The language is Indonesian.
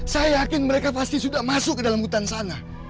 saya yakin mereka pasti sudah masuk ke dalam hutan sana